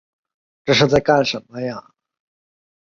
他们被早期的探险家用数字编号。